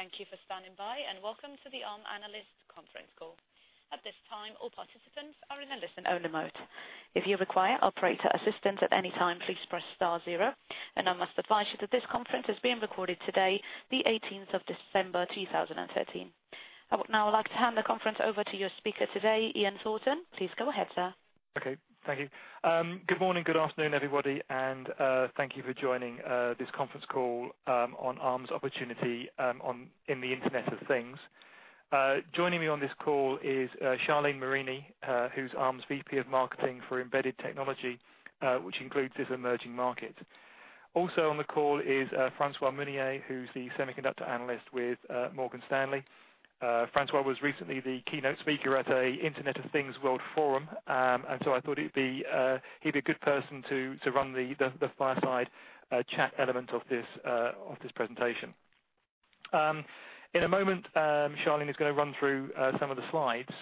Thank you for standing by, and welcome to the Arm Analyst Conference Call. At this time, all participants are in a listen-only mode. If you require operator assistance at any time, please press star zero. I must advise you that this conference is being recorded today, the 18th of December, 2013. I would now like to hand the conference over to your speaker today, Ian Thornton. Please go ahead, sir. Thank you. Good morning, good afternoon, everybody, and thank you for joining this conference call on Arm's opportunity in the Internet of Things. Joining me on this call is Charlene Marini, who's Arm's VP of Marketing for embedded technology, which includes this emerging market. Also on the call is Francois Meunier, who's the semiconductor analyst with Morgan Stanley. Francois was recently the keynote speaker at an Internet of Things World Forum, so I thought he'd be a good person to run the fireside chat element of this presentation. In a moment, Charlene is going to run through some of the slides.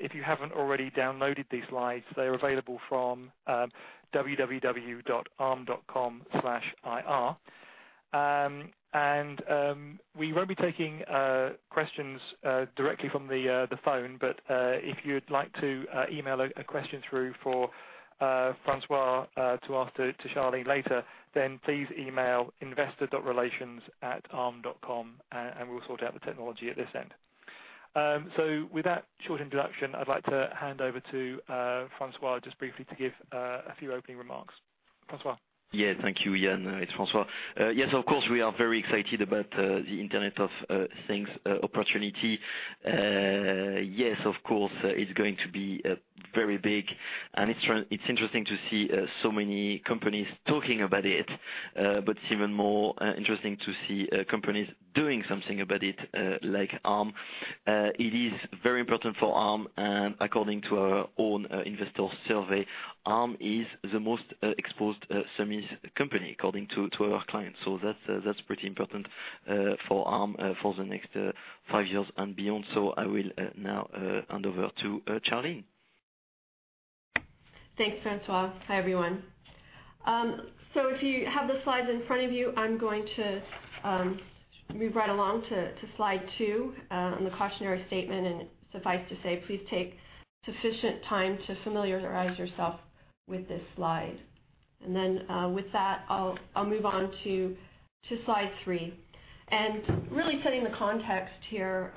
If you haven't already downloaded these slides, they're available from www.arm.com/ir. We won't be taking questions directly from the phone, if you'd like to email a question through for Francois to ask to Charlene later, then please email investor.relations@arm.com. We'll sort out the technology at this end. With that short introduction, I'd like to hand over to Francois just briefly to give a few opening remarks. Francois? Thank you, Ian. It's Francois. Of course, we are very excited about the Internet of Things opportunity. Of course, it's going to be very big. It's interesting to see so many companies talking about it. It's even more interesting to see companies doing something about it, like Arm. It is very important for Arm. According to our own investor survey, Arm is the most exposed semis company, according to our clients. That's pretty important for Arm for the next five years and beyond. I will now hand over to Charlene. Thanks, Francois. If you have the slides in front of you, I'm going to move right along to slide two on the cautionary statement. Suffice to say, please take sufficient time to familiarize yourself with this slide. With that, I'll move on to slide three. Really setting the context here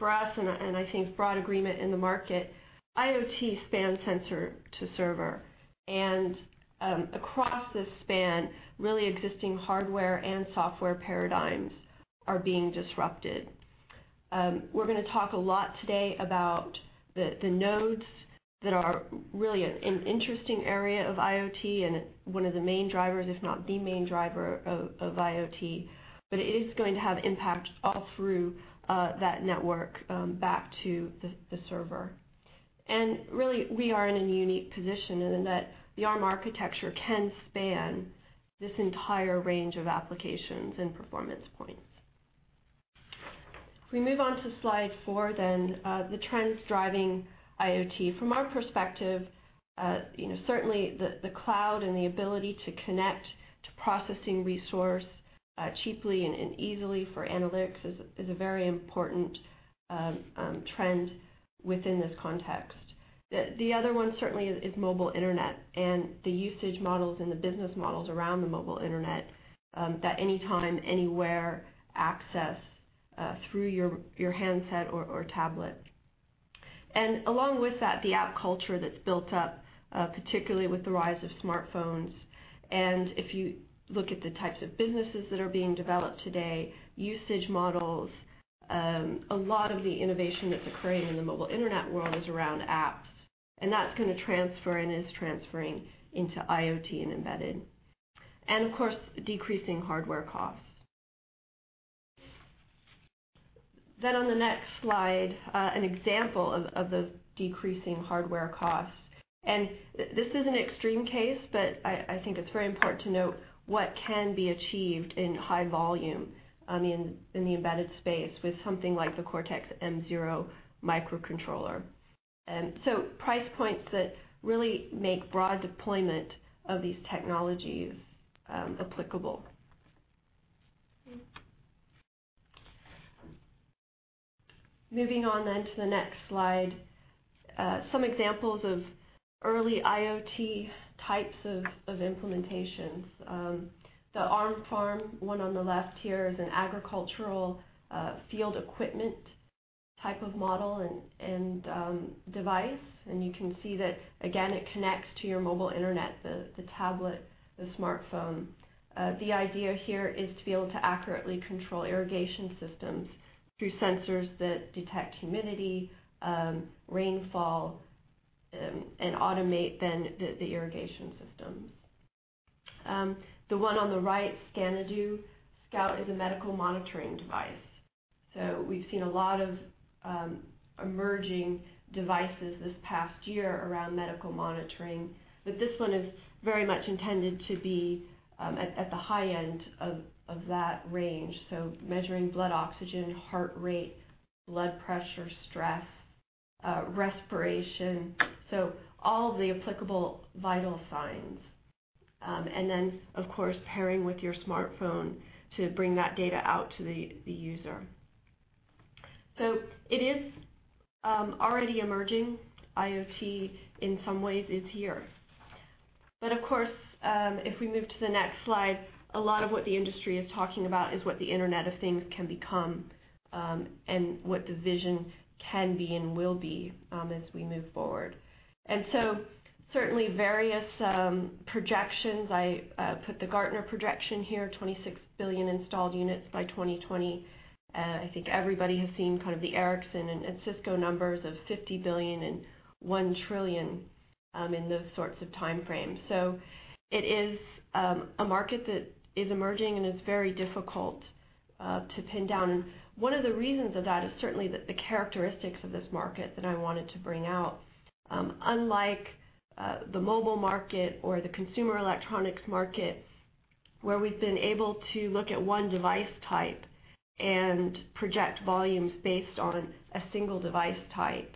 for us, and I think broad agreement in the market, IoT spans sensor to server. Across this span, really existing hardware and software paradigms are being disrupted. We're going to talk a lot today about the nodes that are really an interesting area of IoT and one of the main drivers, if not the main driver of IoT. It is going to have impact all through that network back to the server. Really, we are in a unique position in that the Arm architecture can span this entire range of applications and performance points. If we move on to slide four, the trends driving IoT. From our perspective, certainly the cloud and the ability to connect to processing resource cheaply and easily for analytics is a very important trend within this context. The other one certainly is mobile internet and the usage models and the business models around the mobile internet, that anytime, anywhere access through your handset or tablet. Along with that, the app culture that's built up, particularly with the rise of smartphones. If you look at the types of businesses that are being developed today, usage models, a lot of the innovation that's occurring in the mobile internet world is around apps. That's going to transfer and is transferring into IoT and embedded. Of course, decreasing hardware costs. On the next slide, an example of the decreasing hardware costs. This is an extreme case, but I think it's very important to note what can be achieved in high volume in the embedded space with something like the Cortex-M0 microcontroller. Price points that really make broad deployment of these technologies applicable. Moving on to the next slide, some examples of early IoT types of implementations. The Arm Farm one on the left here is an agricultural field equipment type of model and device. You can see that, again, it connects to your mobile internet, the tablet, the smartphone. The idea here is to be able to accurately control irrigation systems through sensors that detect humidity, rainfall, and automate the irrigation systems. The one on the right, Scanadu Scout, is a medical monitoring device. We've seen a lot of emerging devices this past year around medical monitoring, but this one is very much intended to be at the high end of that range. Measuring blood oxygen, heart rate, blood pressure, stress. Respiration. All the applicable vital signs. Of course, pairing with your smartphone to bring that data out to the user. It is already emerging. IoT in some ways is here. Of course, if we move to the next slide, a lot of what the industry is talking about is what the Internet of Things can become, and what the vision can be and will be as we move forward. Certainly various projections, I put the Gartner projection here, 26 billion installed units by 2020. I think everybody has seen kind of the Ericsson and Cisco numbers of $50 billion and $1 trillion in those sorts of timeframes. It is a market that is emerging, and it's very difficult to pin down. One of the reasons of that is certainly the characteristics of this market that I wanted to bring out. Unlike the mobile market or the consumer electronics market, where we've been able to look at 1 device type and project volumes based on a single device type,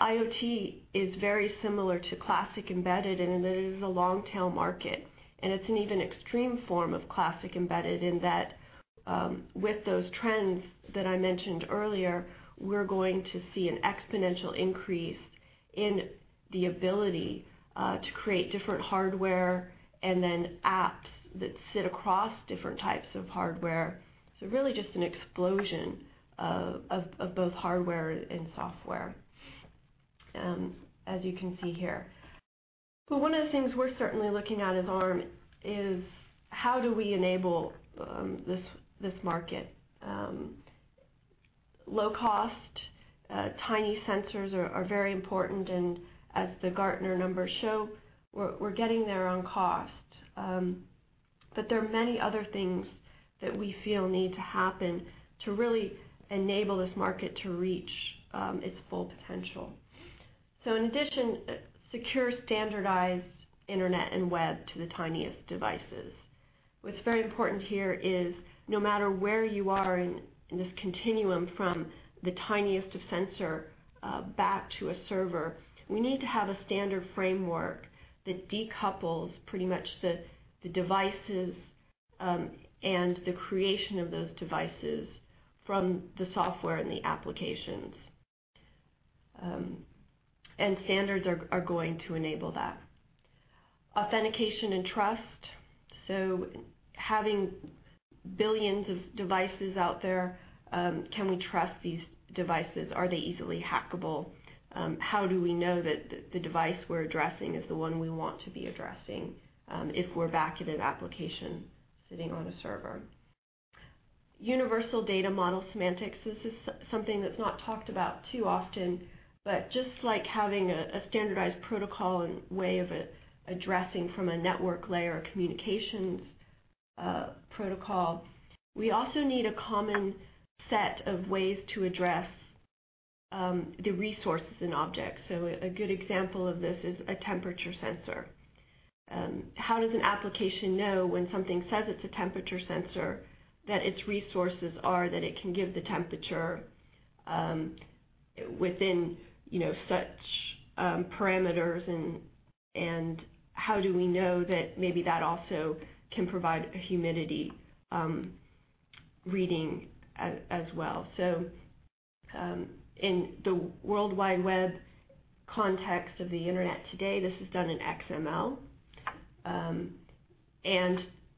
IoT is very similar to classic embedded, and it is a long-tail market. It's an even extreme form of classic embedded in that with those trends that I mentioned earlier, we're going to see an exponential increase in the ability to create different hardware and then apps that sit across different types of hardware. Really just an explosion of both hardware and software as you can see here. One of the things we're certainly looking at as Arm is how do we enable this market? Low-cost, tiny sensors are very important, and as the Gartner numbers show, we're getting there on cost. There are many other things that we feel need to happen to really enable this market to reach its full potential. In addition, secure standardized internet and web to the tiniest devices. What's very important here is no matter where you are in this continuum from the tiniest of sensor back to a server, we need to have a standard framework that decouples pretty much the devices and the creation of those devices from the software and the applications. Standards are going to enable that. Authentication and trust. Having billions of devices out there, can we trust these devices? Are they easily hackable? How do we know that the device we're addressing is the one we want to be addressing if we're back at an application sitting on a server? Universal data model semantics. This is something that's not talked about too often, but just like having a standardized protocol and way of addressing from a network layer a communications protocol, we also need a common set of ways to address the resources in objects. A good example of this is a temperature sensor. How does an application know when something says it's a temperature sensor, that its resources are that it can give the temperature within such parameters, and how do we know that maybe that also can provide a humidity reading as well? In the World Wide Web context of the internet today, this is done in XML.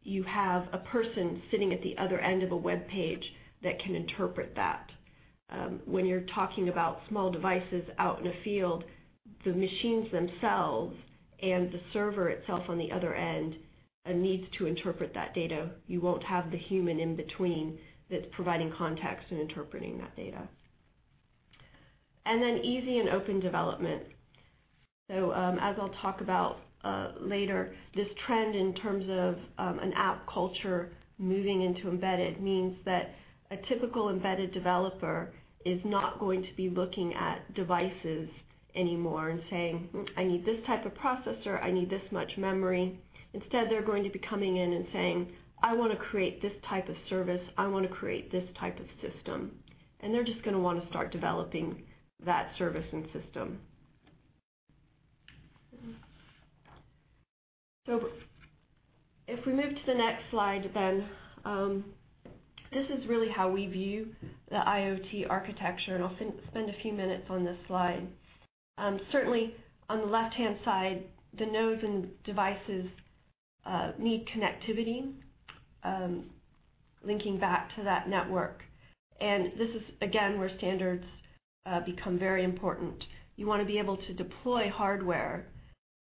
You have a person sitting at the other end of a webpage that can interpret that. When you're talking about small devices out in a field, the machines themselves and the server itself on the other end needs to interpret that data. You won't have the human in between that's providing context and interpreting that data. Then easy and open development. As I'll talk about later, this trend in terms of an app culture moving into embedded means that a typical embedded developer is not going to be looking at devices anymore and saying, "I need this type of processor. I need this much memory." Instead, they're going to be coming in and saying, "I want to create this type of service. I want to create this type of system." They're just going to want to start developing that service and system. If we move to the next slide, this is really how we view the IoT architecture, and I'll spend a few minutes on this slide. Certainly, on the left-hand side, the nodes and devices need connectivity linking back to that network. This is, again, where standards become very important. You want to be able to deploy hardware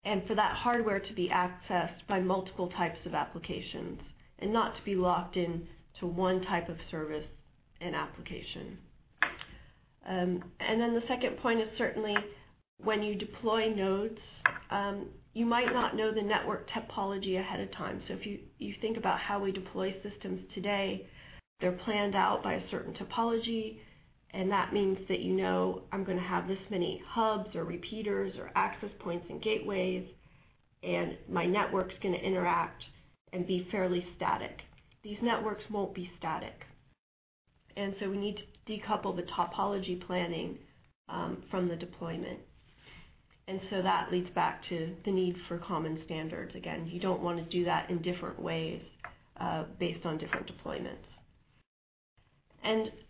and for that hardware to be accessed by multiple types of applications and not to be locked in to one type of service and application. The second point is certainly when you deploy nodes, you might not know the network topology ahead of time. If you think about how we deploy systems today, they're planned out by a certain topology, and that means that you know, "I'm going to have this many hubs or repeaters or access points and gateways." My network's going to interact and be fairly static. These networks won't be static. We need to decouple the topology planning from the deployment. That leads back to the need for common standards, again. You don't want to do that in different ways based on different deployments.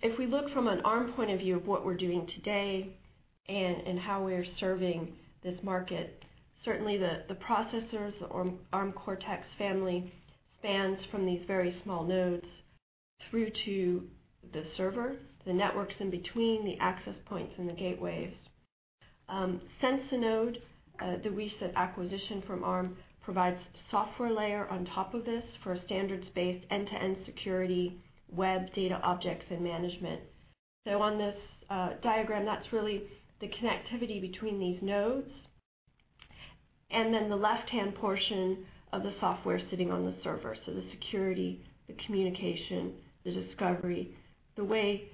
If we look from an Arm point of view of what we're doing today and how we are serving this market, certainly the processors, the Arm Cortex family, spans from these very small nodes through to the server, the networks in between the access points and the gateways. Sensinode, the recent acquisition from Arm, provides software layer on top of this for a standards-based end-to-end security, web, data objects, and management. On this diagram, that's really the connectivity between these nodes, and then the left-hand portion of the software sitting on the server, so the security, the communication, the discovery, the way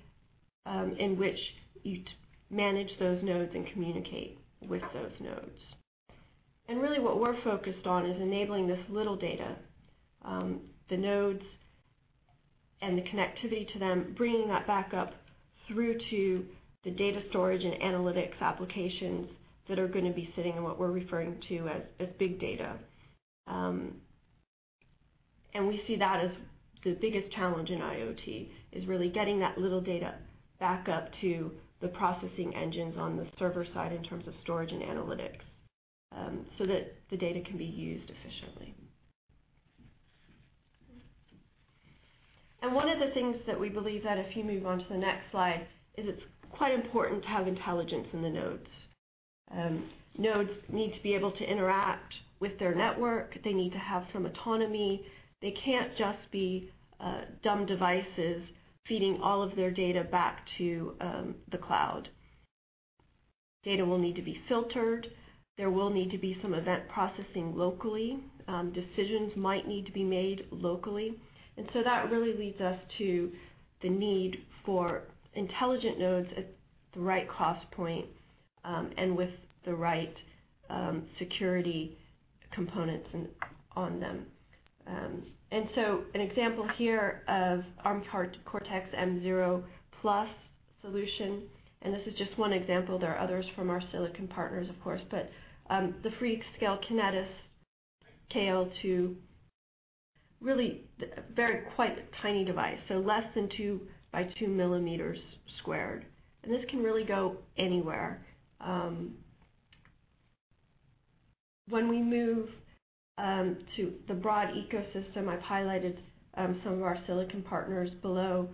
in which you'd manage those nodes and communicate with those nodes. Really what we're focused on is enabling this little data. The nodes and the connectivity to them, bringing that back up through to the data storage and analytics applications that are going to be sitting in what we're referring to as big data. We see that as the biggest challenge in IoT, is really getting that little data back up to the processing engines on the server side in terms of storage and analytics, so that the data can be used efficiently. One of the things that we believe that, if you move on to the next slide, is it's quite important to have intelligence in the nodes. Nodes need to be able to interact with their network. They need to have some autonomy. They can't just be dumb devices feeding all of their data back to the cloud. Data will need to be filtered. There will need to be some event processing locally. Decisions might need to be made locally. That really leads us to the need for intelligent nodes at the right cost point, and with the right security components on them. An example here of Arm Cortex-M0+ solution, and this is just one example. There are others from our silicon partners, of course, but the Freescale Kinetis KL02, really very quite tiny device, so less than 2 by 2 millimeters squared. This can really go anywhere. When we move to the broad ecosystem, I've highlighted some of our silicon partners below.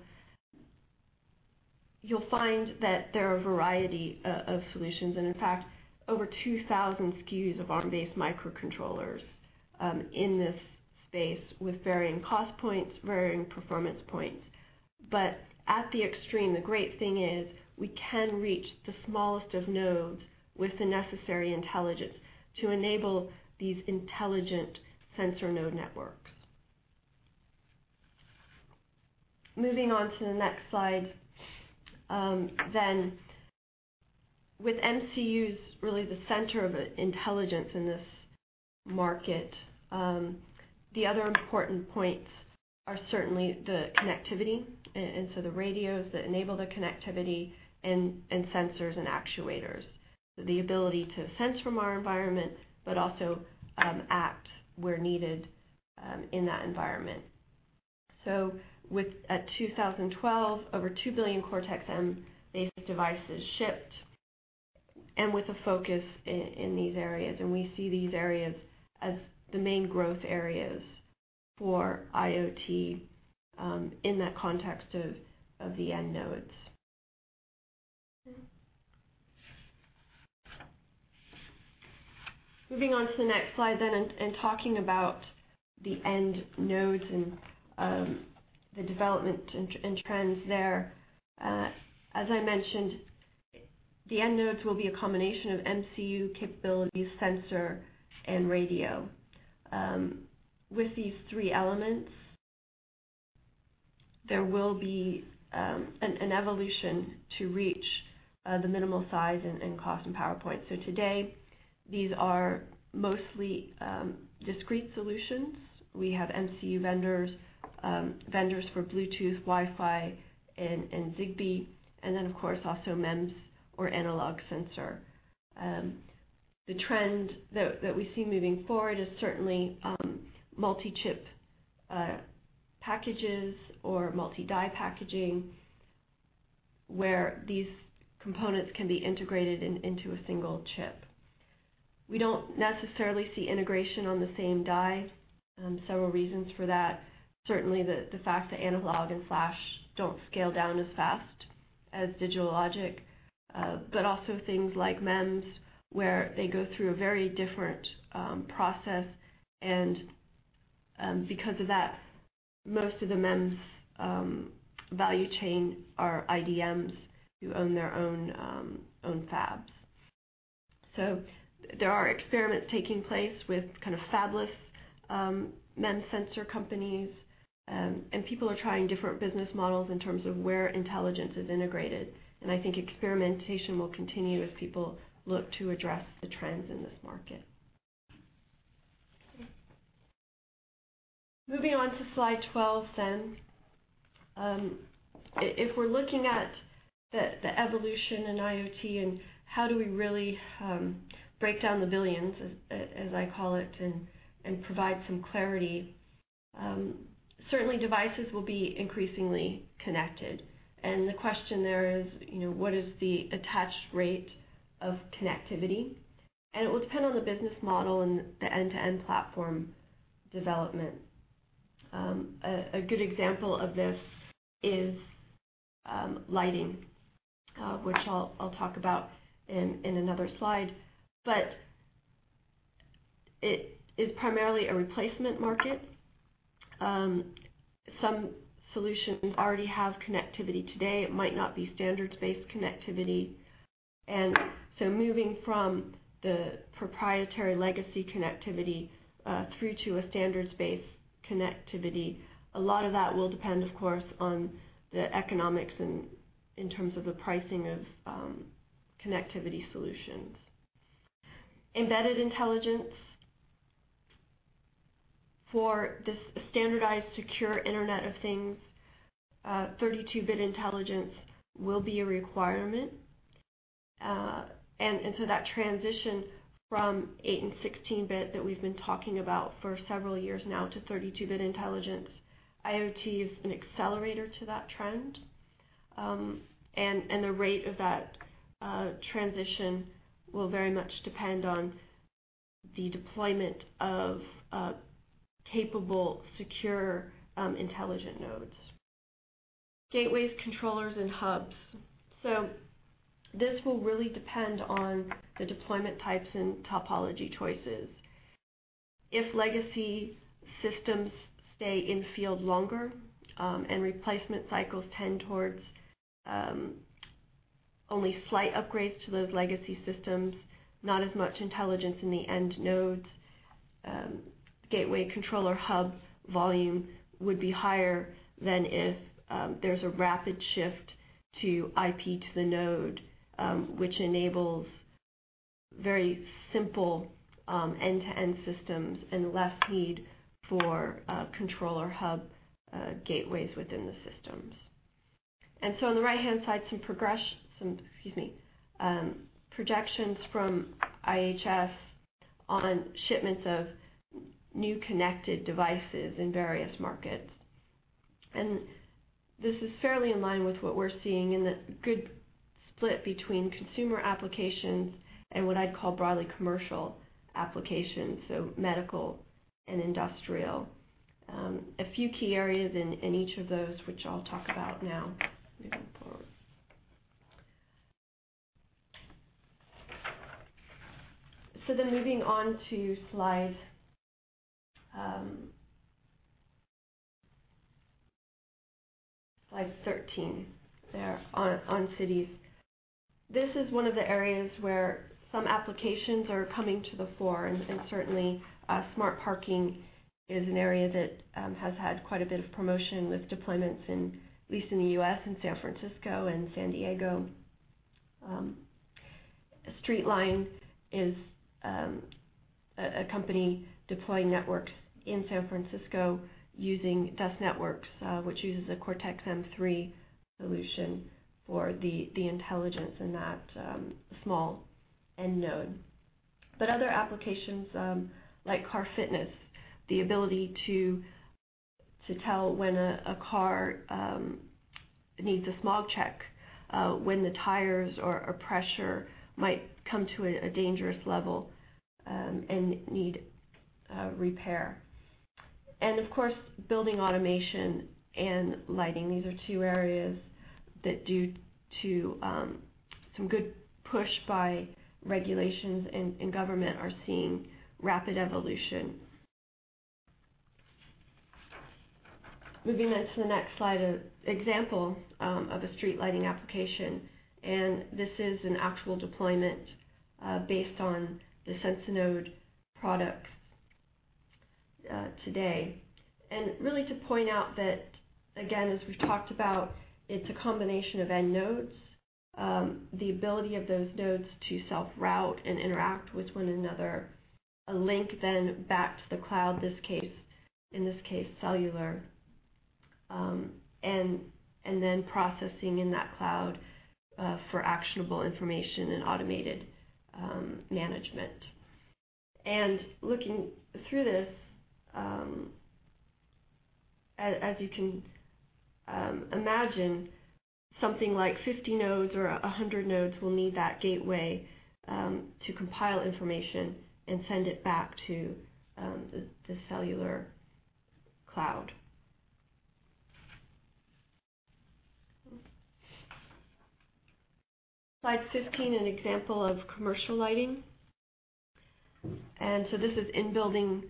You'll find that there are a variety of solutions, in fact, over 2,000 SKUs of Arm-based microcontrollers in this space with varying cost points, varying performance points. At the extreme, the great thing is we can reach the smallest of nodes with the necessary intelligence to enable these intelligent sensor node networks. Moving on to the next slide. With MCUs really the center of intelligence in this market, the other important points are certainly the connectivity. The radios that enable the connectivity and sensors and actuators. The ability to sense from our environment, but also act where needed in that environment. With 2012, over 2 billion Cortex-M-based devices shipped, and with a focus in these areas. We see these areas as the main growth areas for IoT, in that context of the end nodes. Moving on to the next slide, talking about the end nodes and the development and trends there. As I mentioned, the end nodes will be a combination of MCU capabilities, sensor, and radio. With these three elements, there will be an evolution to reach the minimal size and cost and power point. Today, these are mostly discrete solutions. We have MCU vendors for Bluetooth, Wi-Fi, and Zigbee, also MEMS or analog sensor. The trend that we see moving forward is certainly multi-chip packages or multi-die packaging, where these components can be integrated into a single chip. We don't necessarily see integration on the same die. Several reasons for that. Certainly, the fact that analog and flash don't scale down as fast as digital logic. Also things like MEMS, where they go through a very different process. Because of that, most of the MEMS value chain are IDMs who own their own fabs. There are experiments taking place with kind of fabless MEMS sensor companies, and people are trying different business models in terms of where intelligence is integrated. I think experimentation will continue as people look to address the trends in this market. Moving on to slide 12. If we're looking at the evolution in IoT and how do we really break down the billions, as I call it, and provide some clarity. Certainly, devices will be increasingly connected. The question there is, what is the attached rate of connectivity? It will depend on the business model and the end-to-end platform development. A good example of this is lighting, which I'll talk about in another slide, but it is primarily a replacement market. Some solutions already have connectivity today. It might not be standards-based connectivity. Moving from the proprietary legacy connectivity through to a standards-based connectivity, a lot of that will depend, of course, on the economics in terms of the pricing of connectivity solutions. Embedded intelligence for this standardized, secure Internet of Things, 32-bit intelligence will be a requirement. That transition from 8 and 16-bit that we've been talking about for several years now to 32-bit intelligence, IoT is an accelerator to that trend. The rate of that transition will very much depend on the deployment of capable, secure, intelligent nodes. Gateways, controllers, and hubs. This will really depend on the deployment types and topology choices. If legacy systems stay in-field longer and replacement cycles tend towards only slight upgrades to those legacy systems, not as much intelligence in the end nodes, gateway controller hub volume would be higher than if there's a rapid shift to IP to the node, which enables very simple end-to-end systems and less need for controller hub gateways within the systems. On the right-hand side, some projections from IHS on shipments of new connected devices in various markets. This is fairly in line with what we're seeing in the good split between consumer applications and what I'd call broadly commercial applications, so medical and industrial. A few key areas in each of those, which I'll talk about now. Moving forward. Moving on to slide 13 there on cities. This is one of the areas where some applications are coming to the fore, certainly smart parking is an area that has had quite a bit of promotion with deployments, at least in the U.S. and San Francisco and San Diego. Streetline is a company deploying networks in San Francisco using Dust Networks, which uses a Cortex-M3 solution for the intelligence in that small end node. Other applications, like car fitness, the ability to tell when a car needs a smog check, when the tires or pressure might come to a dangerous level and need repair. Of course, building automation and lighting. These are two areas that due to some good push by regulations and government are seeing rapid evolution. Moving on to the next slide, an example of a street lighting application, this is an actual deployment based on the Sensinode products today. Really to point out that, again, as we've talked about, it's a combination of end nodes, the ability of those nodes to self-route and interact with one another, a link then back to the cloud, in this case, cellular. Processing in that cloud for actionable information and automated management. Looking through this, as you can imagine, something like 50 nodes or 100 nodes will need that gateway to compile information and send it back to the cellular cloud. Slide 15, an example of commercial lighting. This is in-building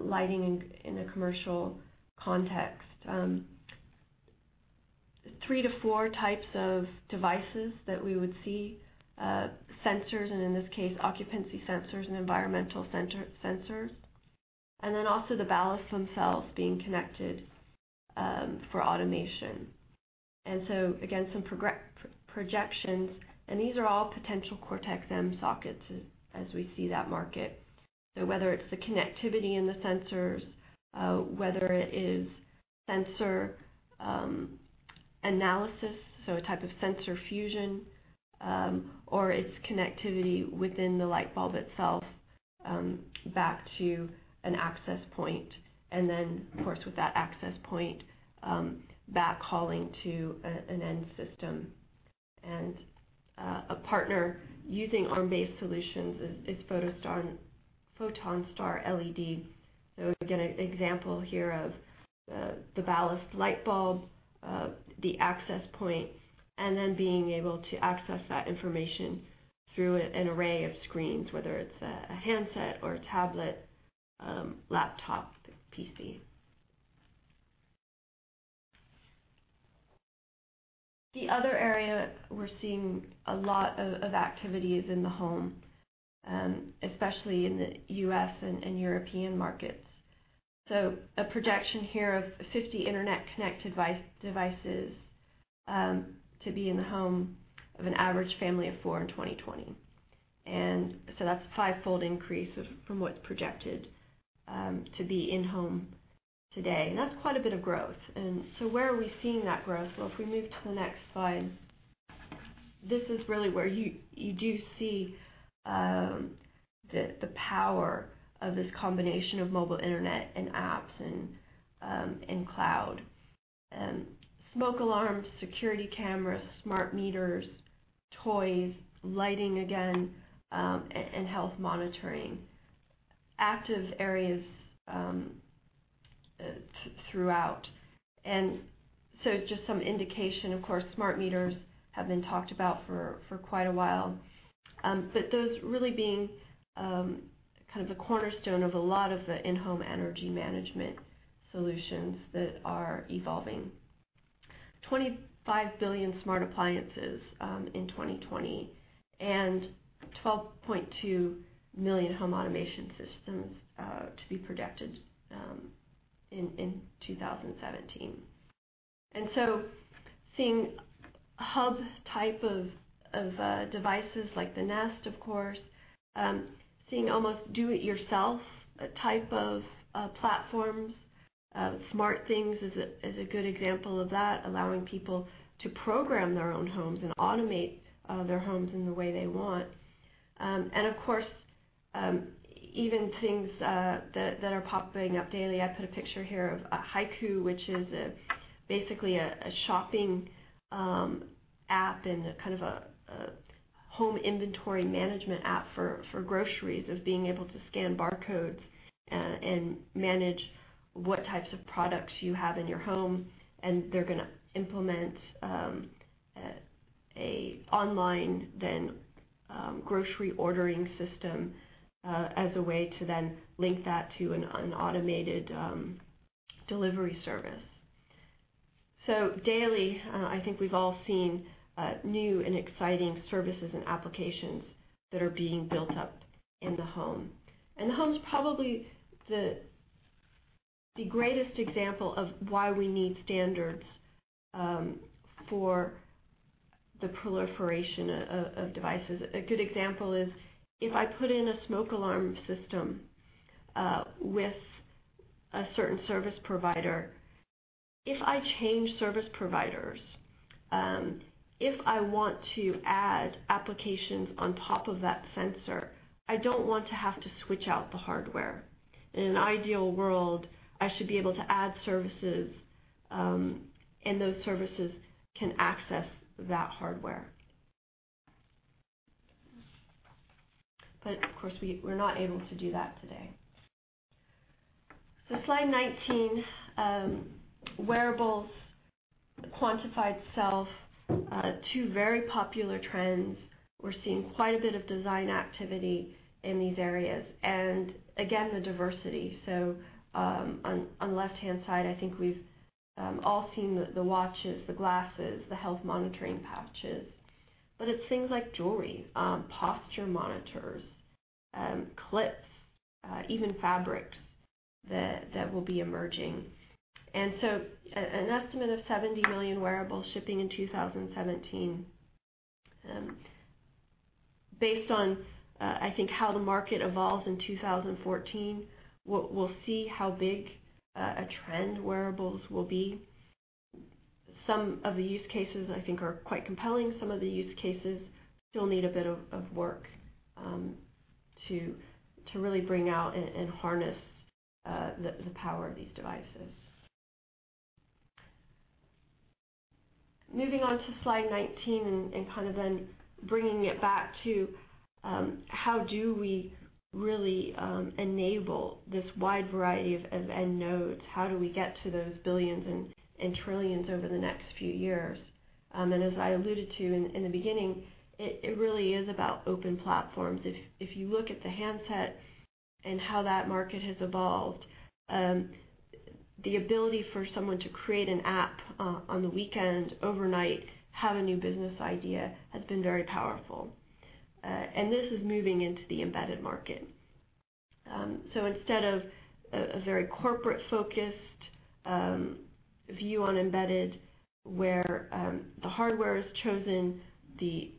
lighting in a commercial context. 3 to 4 types of devices that we would see, sensors, in this case, occupancy sensors and environmental sensors. Also the ballasts themselves being connected for automation. Again, some projections, these are all potential Cortex-M sockets as we see that market. Whether it's the connectivity in the sensors, whether it is sensor analysis, a type of sensor fusion, or its connectivity within the light bulb itself back to an access point, then, of course, with that access point, back hauling to an end system. A partner using Arm-based solutions is PhotonStar LED. Again, an example here of the ballast light bulb, the access point, being able to access that information through an array of screens, whether it's a handset or a tablet, laptop, PC. The other area we're seeing a lot of activity is in the home, especially in the U.S. and European markets. A projection here of 50 internet-connected devices to be in the home of an average family of four in 2020. That's a five-fold increase from what's projected to be in home today. That's quite a bit of growth. Where are we seeing that growth? If we move to the next slide, this is really where you do see the power of this combination of mobile internet and apps and cloud. Smoke alarms, security cameras, smart meters, toys, lighting again, and health monitoring. Active areas throughout. It's just some indication, of course, smart meters have been talked about for quite a while, but those really being the cornerstone of a lot of the in-home energy management solutions that are evolving. 25 billion smart appliances in 2020, and 12.2 million home automation systems to be predicted in 2017. Seeing hub type of devices like the Nest, of course, seeing almost do it yourself type of platforms. SmartThings is a good example of that, allowing people to program their own homes and automate their homes in the way they want. Of course, even things that are popping up daily. I put a picture here of hiku, which is basically a shopping app and a home inventory management app for groceries, of being able to scan barcodes and manage what types of products you have in your home, and they're going to implement an online grocery ordering system as a way to then link that to an automated delivery service. Daily, I think we've all seen new and exciting services and applications that are being built up in the home. The home's probably the greatest example of why we need standards for the proliferation of devices. A good example is if I put in a smoke alarm system with a certain service provider, if I change service providers, if I want to add applications on top of that sensor, I don't want to have to switch out the hardware. In an ideal world, I should be able to add services, and those services can access that hardware. Of course, we're not able to do that today. Slide 19, wearables, quantified self, two very popular trends. We're seeing quite a bit of design activity in these areas, and again, the diversity. On the left-hand side, I think we've all seen the watches, the glasses, the health monitoring patches, but it's things like jewelry, posture monitors, clips, even fabric that will be emerging. An estimate of 70 million wearables shipping in 2017. Based on, I think, how the market evolves in 2014, we'll see how big a trend wearables will be. Some of the use cases, I think, are quite compelling. Some of the use cases still need a bit of work to really bring out and harness the power of these devices. Moving on to slide 19 and bringing it back to how do we really enable this wide variety of end nodes? How do we get to those billions and trillions over the next few years? As I alluded to in the beginning, it really is about open platforms. If you look at the handset and how that market has evolved, the ability for someone to create an app on the weekend, overnight, have a new business idea, has been very powerful. This is moving into the embedded market. Instead of a very corporate-focused view on embedded, where the hardware is chosen, the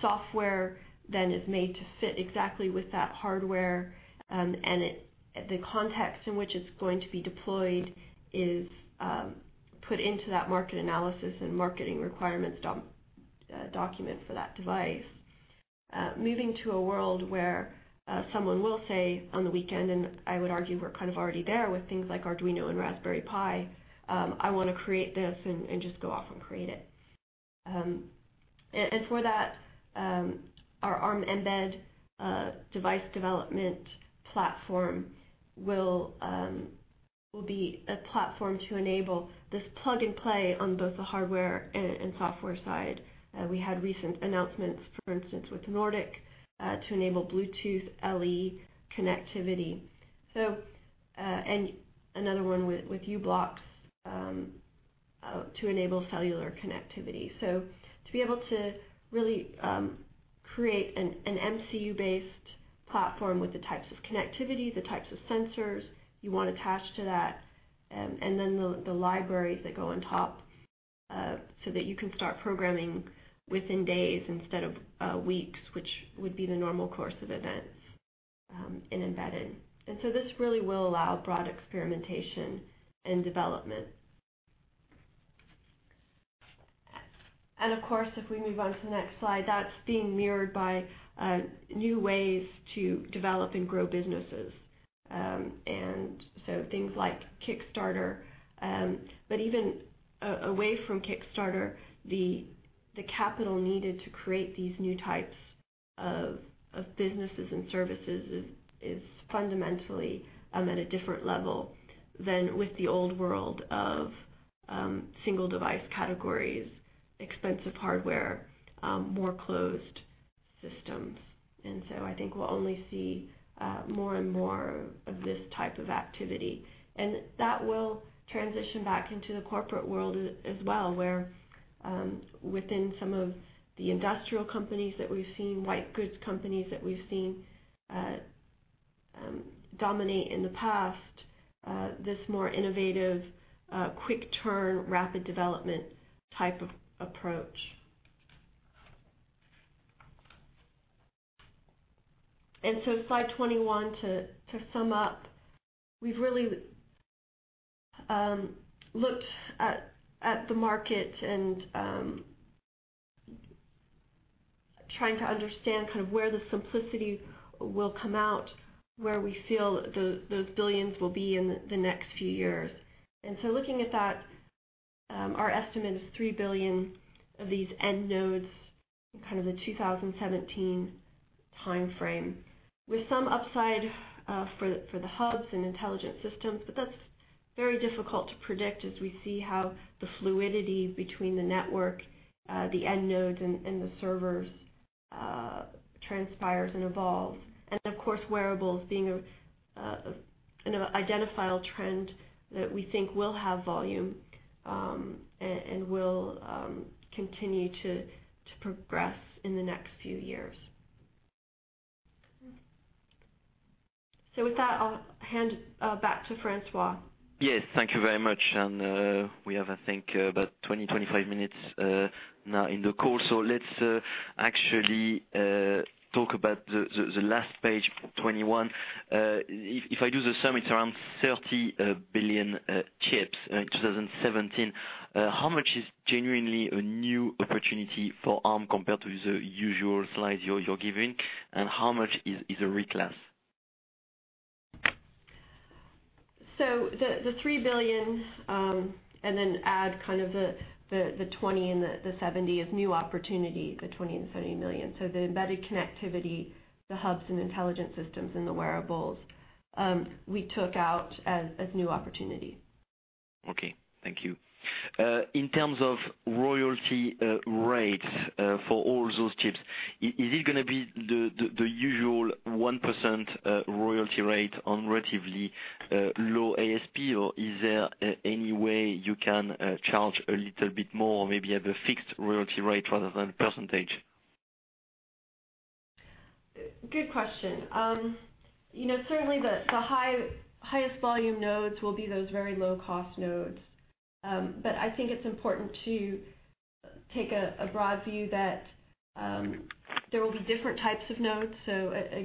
software then is made to fit exactly with that hardware, and the context in which it's going to be deployed is put into that market analysis and marketing requirements document for that device. Moving to a world where someone will say on the weekend, and I would argue we're kind of already there with things like Arduino and Raspberry Pi, "I want to create this," and just go off and create it. For that, our Arm Mbed device development platform will be a platform to enable this plug and play on both the hardware and software side. We had recent announcements, for instance, with Nordic to enable Bluetooth LE connectivity. Another one with u-blox to enable cellular connectivity. To be able to really create an MCU-based platform with the types of connectivity, the types of sensors you want attached to that, and then the libraries that go on top, so that you can start programming within days instead of weeks, which would be the normal course of events in embedded. This really will allow broad experimentation and development. Of course, if we move on to the next slide, that's being mirrored by new ways to develop and grow businesses. Things like Kickstarter, but even away from Kickstarter, the capital needed to create these new types of businesses and services is fundamentally at a different level than with the old world of single device categories, expensive hardware, more closed systems. I think we'll only see more and more of this type of activity. That will transition back into the corporate world as well, where within some of the industrial companies that we've seen, white goods companies that we've seen dominate in the past, this more innovative, quick turn, rapid development type of approach. Slide 21, to sum up, we've really looked at the market and trying to understand where the simplicity will come out, where we feel those billions will be in the next few years. Looking at that, our estimate is 3 billion of these end nodes in the 2017 timeframe, with some upside for the hubs and intelligent systems. That's very difficult to predict as we see how the fluidity between the network, the end nodes, and the servers transpires and evolves. Of course, wearables being an identifiable trend that we think will have volume, and will continue to progress in the next few years. With that, I'll hand back to Francois. Yes. Thank you very much. We have, I think, about 20, 25 minutes now in the call. Let's actually talk about the last page 21. If I do the sum, it's around 30 billion chips in 2017. How much is genuinely a new opportunity for Arm compared to the usual slides you're giving, and how much is a reclass? The 3 billion, then add the 20 and the 70 is new opportunity, the 20 and 70 million. The embedded connectivity, the hubs and intelligent systems, and the wearables, we took out as new opportunity. Okay. Thank you. In terms of royalty rates for all those chips, is it going to be the usual 1% royalty rate on relatively low ASP, or is there any way you can charge a little bit more, maybe at the fixed royalty rate rather than percentage? Good question. Certainly, the highest volume nodes will be those very low-cost nodes. I think it's important to take a broad view that there will be different types of nodes. There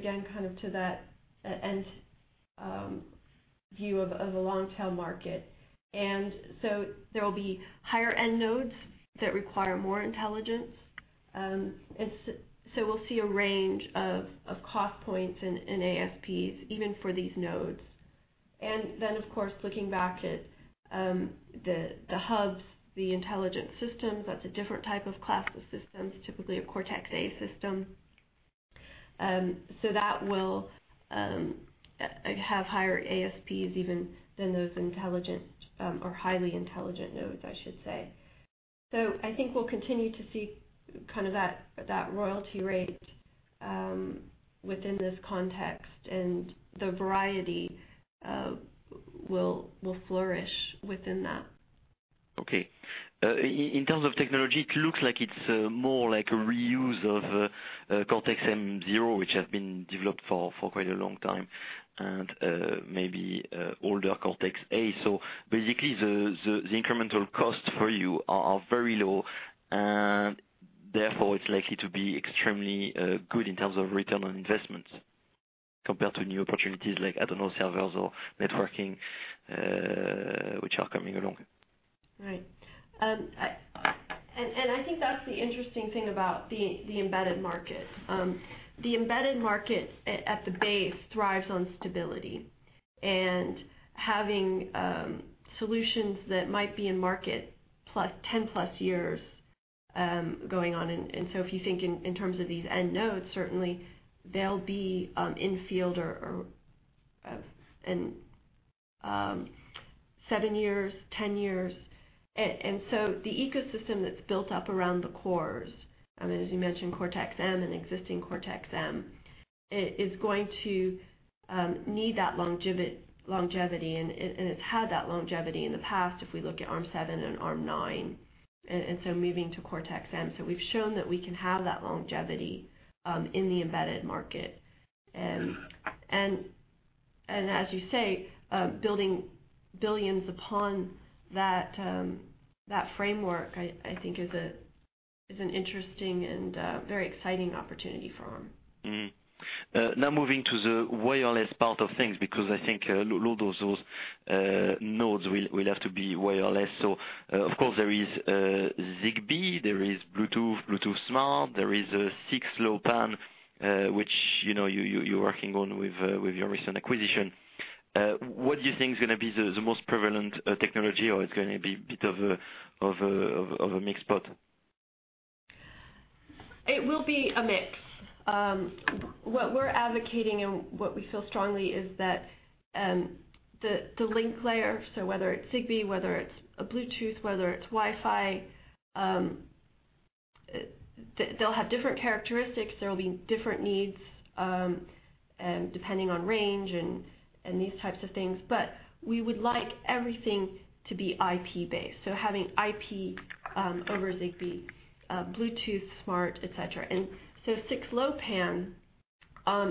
will be higher-end nodes that require more intelligence. We'll see a range of cost points in ASPs, even for these nodes. Then, of course, looking back at the hubs, the intelligent systems, that's a different type of class of systems, typically a Cortex-A system. That will have higher ASPs even than those intelligent or highly intelligent nodes, I should say. I think we'll continue to see that royalty rate within this context, and the variety will flourish within that. Okay. In terms of technology, it looks like it's more like a reuse of Cortex-M0, which has been developed for quite a long time, and maybe older Cortex-A. Basically, the incremental costs for you are very low, and therefore it's likely to be extremely good in terms of return on investment compared to new opportunities like, I don't know, servers or networking, which are coming along. Right. I think that's the interesting thing about the embedded market. The embedded market, at the base, thrives on stability and having solutions that might be in market 10+ years going on. If you think in terms of these end nodes, certainly they'll be in-field in 7 years, 10 years. The ecosystem that's built up around the cores, as you mentioned, Cortex-M and existing Cortex-M, is going to need that longevity, and it's had that longevity in the past if we look at ARM7 and ARM9, and so moving to Cortex-M. We've shown that we can have that longevity in the embedded market. As you say, building billions upon that framework, I think is an interesting and very exciting opportunity for Arm. Now moving to the wireless part of things, because I think a lot of those nodes will have to be wireless. Of course there is Zigbee, there is Bluetooth Smart, there is 6LoWPAN, which you're working on with your recent acquisition. What do you think is going to be the most prevalent technology, or it's going to be a bit of a mixed pot? It will be a mix. What we're advocating and what we feel strongly is that the link layer, so whether it's Zigbee, whether it's a Bluetooth, whether it's Wi-Fi, they'll have different characteristics. There'll be different needs depending on range and these types of things. But we would like everything to be IP-based, so having IP over Zigbee, Bluetooth Smart, et cetera. 6LoWPAN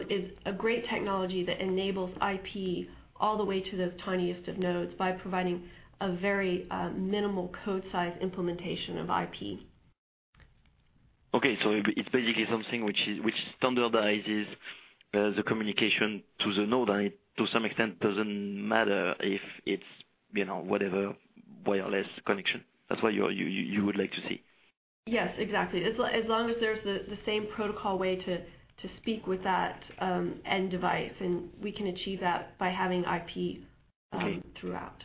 is a great technology that enables IP all the way to the tiniest of nodes by providing a very minimal code size implementation of IP. It's basically something which standardizes the communication to the node, and to some extent, doesn't matter if it's whatever wireless connection. That's what you would like to see? Yes, exactly. As long as there's the same protocol way to speak with that end device, and we can achieve that by having IP. Okay throughout.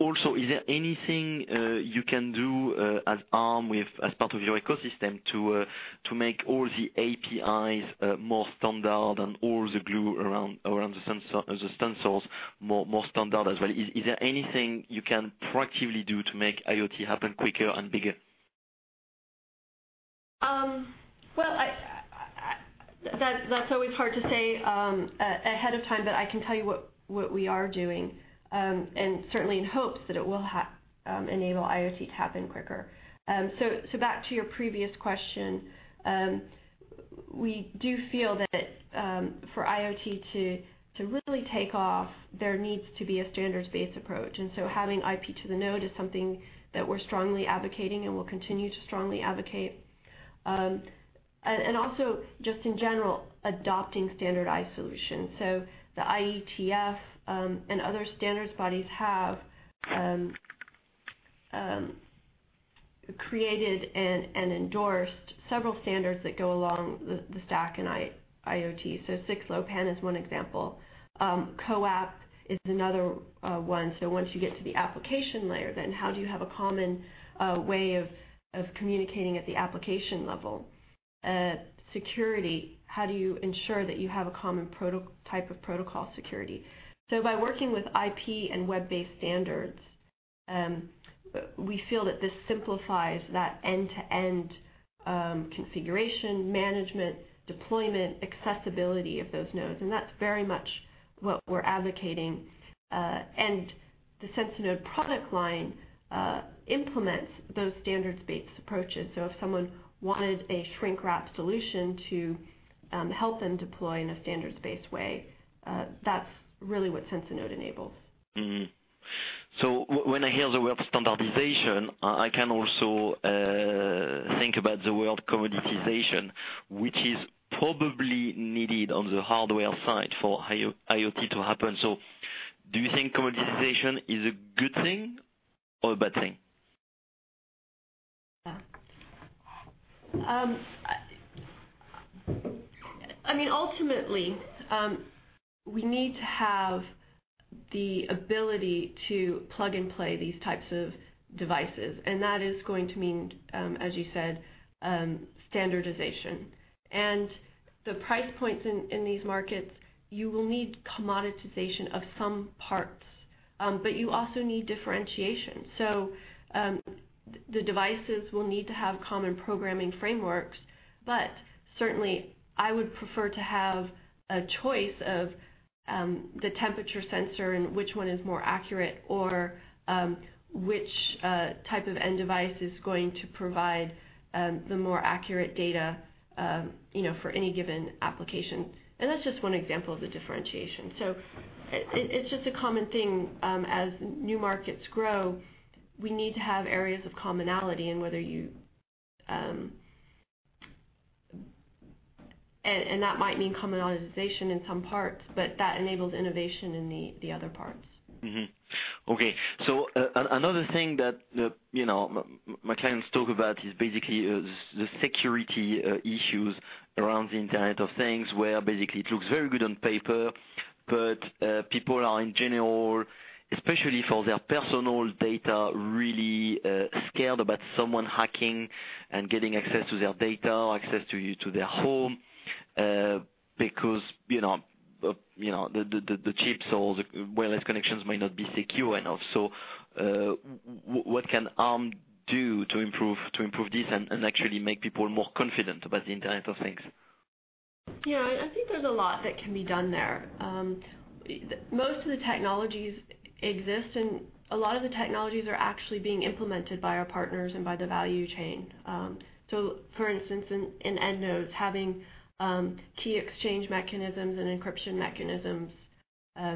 Also, is there anything you can do at Arm, as part of your ecosystem, to make all the APIs more standard and all the glue around the sensors more standard as well? Is there anything you can proactively do to make IoT happen quicker and bigger? Well, that's always hard to say ahead of time, but I can tell you what we are doing, and certainly in hopes that it will enable IoT to happen quicker. Back to your previous question, we do feel that for IoT to really take off, there needs to be a standards-based approach. Having IP to the node is something that we're strongly advocating and will continue to strongly advocate. Also, just in general, adopting standardized solutions. The IETF and other standards bodies have created and endorsed several standards that go along the stack and IoT. 6LoWPAN is one example. CoAP is another one. Once you get to the application layer, then how do you have a common way of communicating at the application level? Security, how do you ensure that you have a common type of protocol security? By working with IP and web-based standards, we feel that this simplifies that end-to-end configuration, management, deployment, accessibility of those nodes, and that's very much what we're advocating. The Sensinode product line implements those standards-based approaches. If someone wanted a shrink-wrap solution to help them deploy in a standards-based way, that's really what Sensinode enables. When I hear the word standardization, I can also think about the word commoditization, which is probably needed on the hardware side for IoT to happen. Do you think commoditization is a good thing or a bad thing? I mean, ultimately, we need to have the ability to plug and play these types of devices. That is going to mean, as you said, standardization. The price points in these markets, you will need commoditization of some parts, but you also need differentiation. The devices will need to have common programming frameworks, but certainly I would prefer to have a choice of the temperature sensor and which one is more accurate, or which type of end device is going to provide the more accurate data for any given application. That's just one example of the differentiation. It's just a common thing, as new markets grow, we need to have areas of commonality, and that might mean commoditization in some parts, but that enables innovation in the other parts. Okay. Another thing that my clients talk about is basically the security issues around the Internet of Things, where basically it looks very good on paper, but people are in general, especially for their personal data, really scared about someone hacking and getting access to their data, access to their home, because the chips or the wireless connections may not be secure enough. What can Arm do to improve this and actually make people more confident about the Internet of Things? I think there's a lot that can be done there. Most of the technologies exist and a lot of the technologies are actually being implemented by our partners and by the value chain. For instance, in end nodes, having key exchange mechanisms and encryption mechanisms,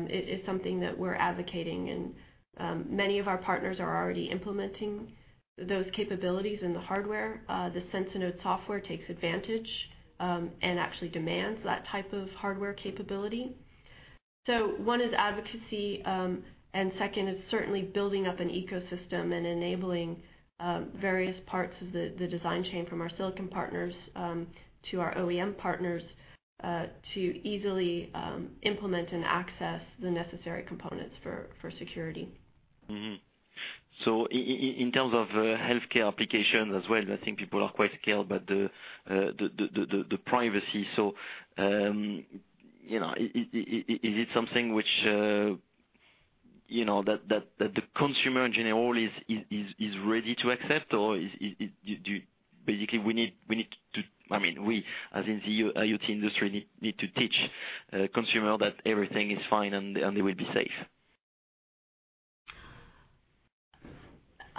is something that we're advocating, and many of our partners are already implementing those capabilities in the hardware. The Sensinode software takes advantage, and actually demands that type of hardware capability. One is advocacy, and second is certainly building up an ecosystem and enabling various parts of the design chain from our silicon partners to our OEM partners, to easily implement and access the necessary components for security. In terms of healthcare applications as well, I think people are quite scared about the privacy. Is it something which the consumer in general is ready to accept, or do you basically need to I mean, we, as in the IoT industry, need to teach consumers that everything is fine and they will be safe?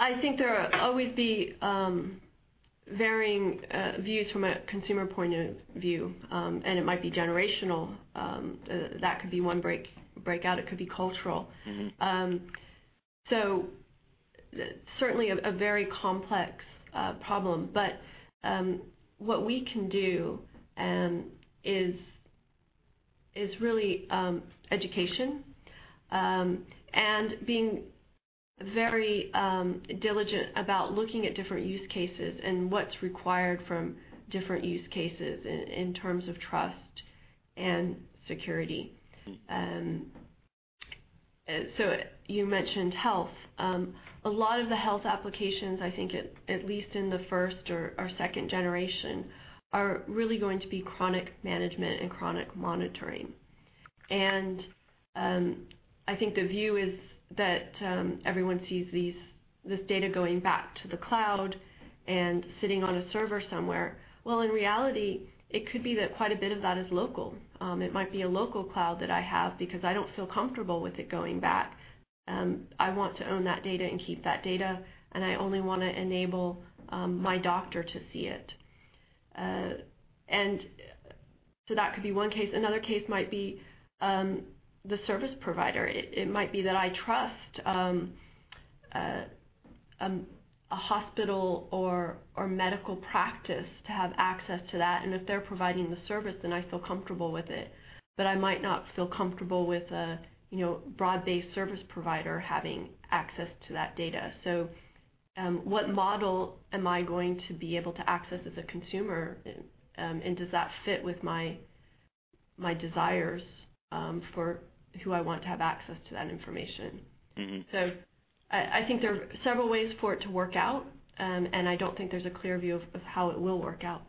I think there will always be varying views from a consumer point of view. It might be generational, that could be one breakout. It could be cultural. Certainly a very complex problem. What we can do is really education, and being very diligent about looking at different use cases and what's required from different use cases in terms of trust and security. You mentioned health. A lot of the health applications, I think at least in the first or second generation, are really going to be chronic management and chronic monitoring. I think the view is that everyone sees this data going back to the cloud and sitting on a server somewhere. In reality, it could be that quite a bit of that is local. It might be a local cloud that I have because I don't feel comfortable with it going back. I want to own that data and keep that data, and I only want to enable my doctor to see it. That could be one case. Another case might be the service provider. It might be that I trust a hospital or medical practice to have access to that. If they're providing the service, then I feel comfortable with it, but I might not feel comfortable with a broad-based service provider having access to that data. What model am I going to be able to access as a consumer, and does that fit with my desires for who I want to have access to that information? I think there are several ways for it to work out, and I don't think there's a clear view of how it will work out.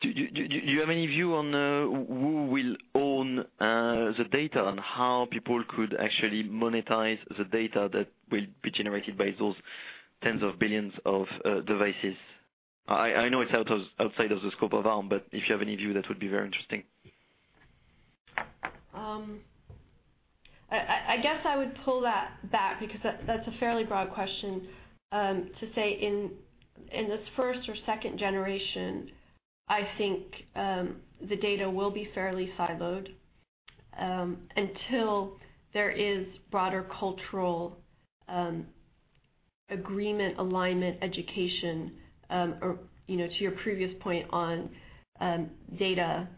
Do you have any view on who will own the data and how people could actually monetize the data that will be generated by those tens of billions of devices? I know it's outside of the scope of Arm, but if you have any view, that would be very interesting. I guess I would pull that back because that's a fairly broad question. To say in this first or second generation, I think the data will be fairly siloed, until there is broader cultural agreement, alignment, education, to your previous point on data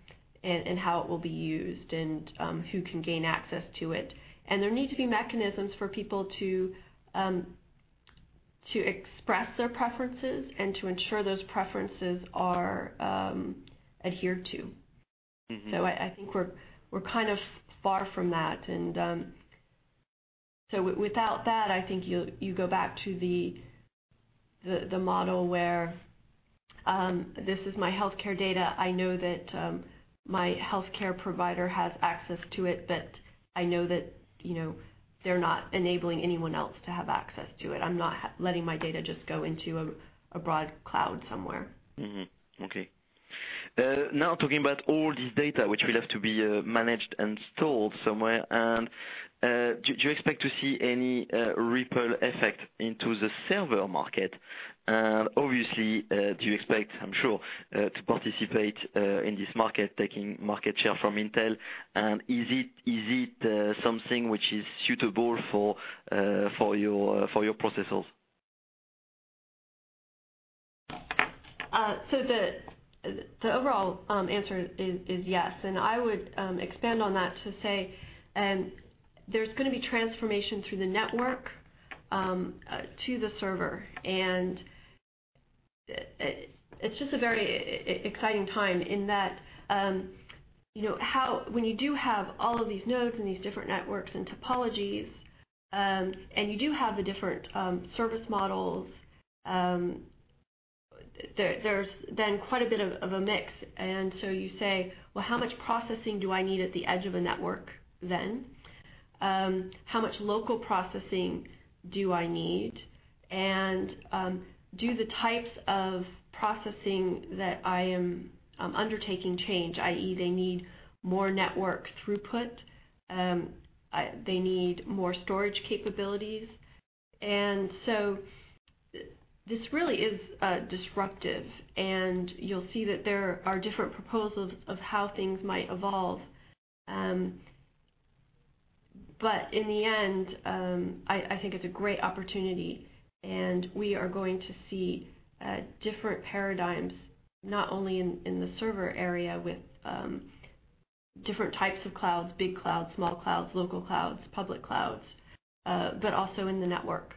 and how it will be used and who can gain access to it. There need to be mechanisms for people to express their preferences and to ensure those preferences are adhered to. I think we're kind of far from that. Without that, I think you go back to the model where this is my healthcare data. I know that my healthcare provider has access to it, but I know that they're not enabling anyone else to have access to it. I'm not letting my data just go into a broad cloud somewhere. Okay. Now talking about all this data, which will have to be managed and stored somewhere, do you expect to see any ripple effect into the server market? Obviously, do you expect, I'm sure, to participate in this market, taking market share from Intel? Is it something which is suitable for your processors? The overall answer is yes, and I would expand on that to say there's going to be transformation through the network to the server. It's just a very exciting time in that when you do have all of these nodes and these different networks and topologies, you do have the different service models, there's then quite a bit of a mix. You say, "Well, how much processing do I need at the edge of a network then? How much local processing do I need? Do the types of processing that I am undertaking change?" I.E., they need more network throughput. They need more storage capabilities. This really is disruptive, and you'll see that there are different proposals of how things might evolve. I think it's a great opportunity, and we are going to see different paradigms, not only in the server area with different types of clouds, big clouds, small clouds, local clouds, public clouds, but also in the network.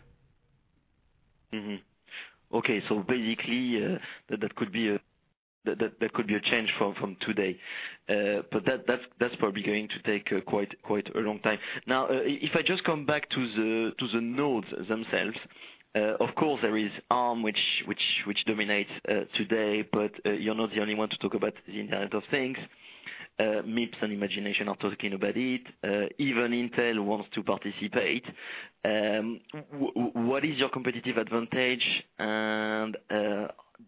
Mm-hmm. Okay. Basically, that could be a change from today. That's probably going to take quite a long time. If I just come back to the nodes themselves, of course, there is Arm, which dominates today, but you're not the only one to talk about the Internet of Things. MIPS and Imagination are talking about it. Even Intel wants to participate. What is your competitive advantage, and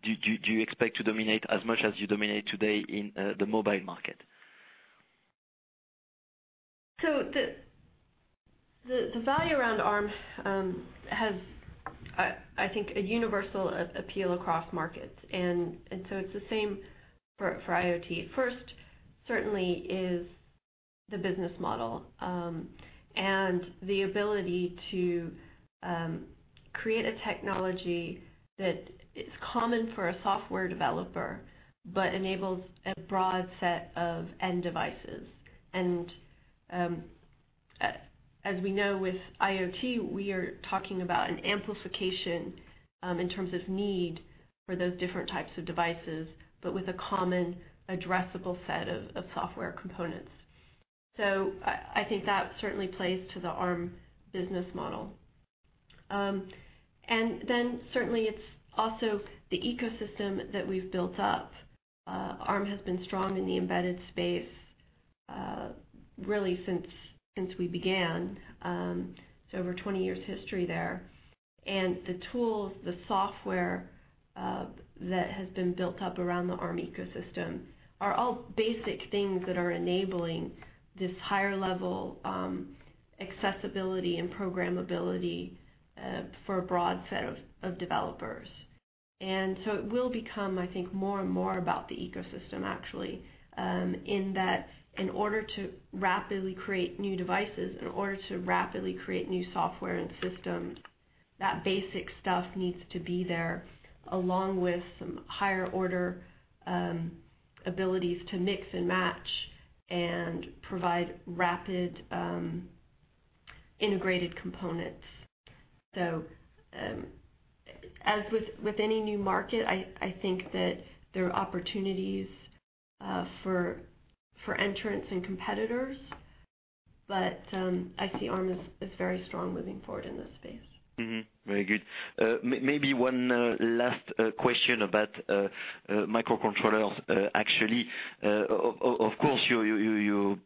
do you expect to dominate as much as you dominate today in the mobile market? The value around Arm has, I think, a universal appeal across markets. It's the same for IoT. First, certainly, is the business model, and the ability to create a technology that is common for a software developer, but enables a broad set of end devices. As we know with IoT, we are talking about an amplification in terms of need for those different types of devices, but with a common addressable set of software components. I think that certainly plays to the Arm business model. Certainly it's also the ecosystem that we've built up. Arm has been strong in the embedded space really since we began. Over 20 years history there. The tools, the software that has been built up around the Arm ecosystem are all basic things that are enabling this higher level accessibility and programmability for a broad set of developers. It will become, I think, more and more about the ecosystem actually, in that in order to rapidly create new devices, in order to rapidly create new software and systems, that basic stuff needs to be there, along with some higher order abilities to mix and match and provide rapid integrated components. As with any new market, I think that there are opportunities for entrants and competitors. I see Arm as very strong moving forward in this space. Very good. Maybe one last question about microcontrollers, actually. Of course, you're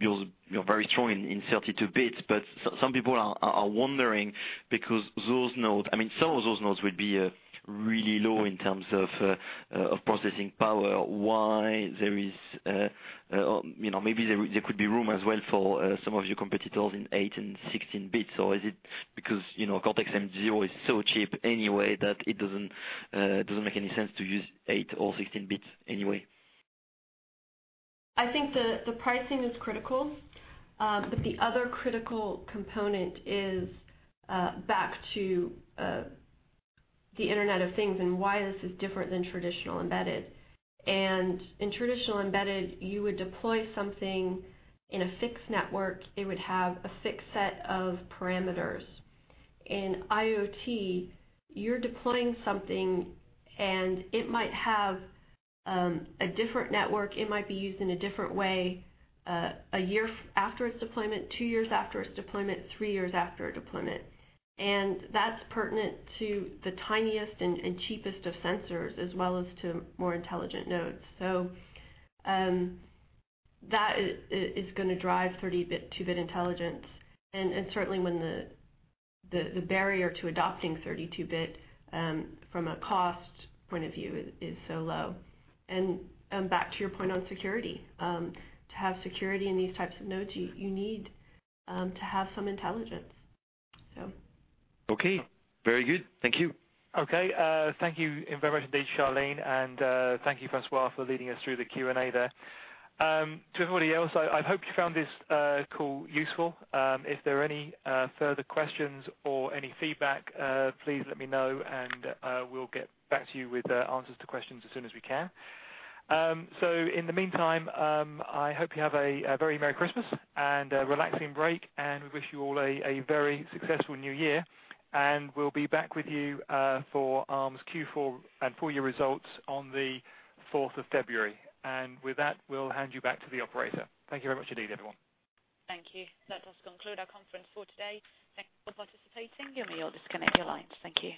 very strong in 32-bit, but some people are wondering because those nodes, some of those nodes would be really low in terms of processing power. Maybe there could be room as well for some of your competitors in 8-bit and 16-bit. Is it because Cortex-M0 is so cheap anyway that it doesn't make any sense to use 8-bit or 16-bit anyway? I think the pricing is critical. The other critical component is back to the Internet of Things and why this is different than traditional embedded. In traditional embedded, you would deploy something in a fixed network. It would have a fixed set of parameters. In IoT, you're deploying something, it might have a different network, it might be used in a different way a year after its deployment, two years after its deployment, three years after a deployment. That's pertinent to the tiniest and cheapest of sensors, as well as to more intelligent nodes. That is going to drive 32-bit intelligence, and certainly when the barrier to adopting 32-bit from a cost point of view is so low. Back to your point on security. To have security in these types of nodes, you need to have some intelligence. Very good. Thank you. Thank you very much indeed, Charlene, and thank you, Francois, for leading us through the Q&A there. To everybody else, I hope you found this call useful. If there are any further questions or any feedback, please let me know, and we'll get back to you with answers to questions as soon as we can. In the meantime, I hope you have a very merry Christmas and a relaxing break, and we wish you all a very successful New Year. We'll be back with you for Arm's Q4 and full year results on the 4th of February. With that, we'll hand you back to the operator. Thank you very much indeed, everyone. Thank you. That does conclude our conference for today. Thank you for participating. You may all disconnect your lines. Thank you.